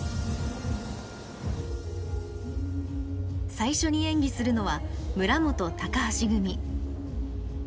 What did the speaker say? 最初に演技するのは村元橋組。